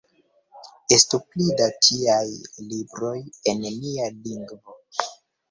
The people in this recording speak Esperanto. Estu pli da tiaj libroj en nia lingvo!